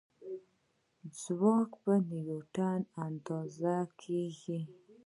ځواک په نیوټن اندازه کېږي.